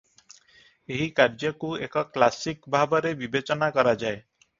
ଏହି କାର୍ଯ୍ୟକୁ ଏକ କ୍ଲାସିକ ଭାବରେ ବିବେଚନା କରାଯାଏ ।